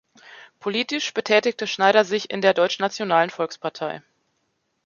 Politisch betätigte Schneider sich in der Deutschnationalen Volkspartei.